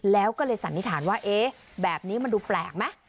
แล้วก็สันนิษฐานว่าเอ๊ะแบบนี้มันดูแปลกไหม